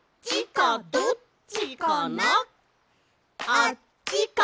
あっちかな？